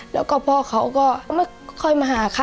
แล้วก็พ่อเขาก็ไม่ค่อยมาหาเขา